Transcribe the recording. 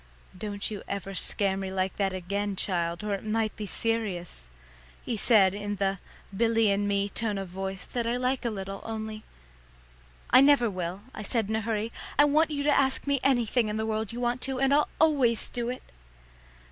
"Don't you ever scare me like that again, child, or it might be serious," he said in the Billy and me tone of voice that I like a little, only "I never will," I said in a hurry; "I want you to ask me anything in the world you want to, and I'll always do it."